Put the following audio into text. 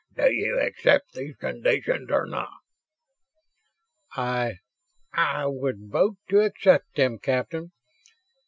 "Do you accept these conditions or not?" "I ... I would vote to accept them, Captain.